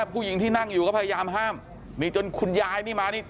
ผู้หญิงที่นั่งอยู่ก็พยายามห้ามนี่จนคุณยายนี่มานี่